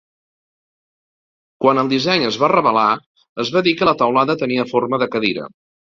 Quan el disseny es va revelar, es va dir que la teulada tenia forma de cadira.